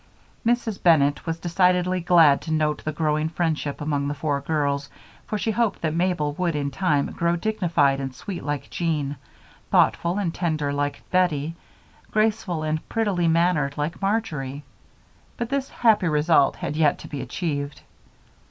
Mrs. Bennett was decidedly glad to note the growing friendship among the four girls, for she hoped that Mabel would in time grow dignified and sweet like Jean, thoughtful and tender like Bettie, graceful and prettily mannered like Marjory. But this happy result had yet to be achieved.